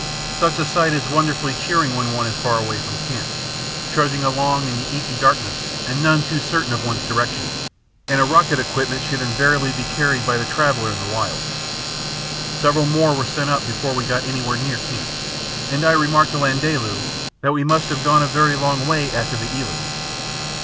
Such a sight is wonderfully cheering when one is far away from camp, trudging along in the inky darkness and none too certain of one's direction; and a rocket equipment should invariably be carried by the traveller in the wilds. Several more were sent up before we got anywhere near camp, and I remarked to Landaalu that we must have gone a very long way after the eland.